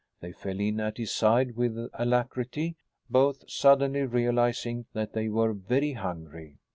They fell in at his side with alacrity, both suddenly realizing that they were very hungry.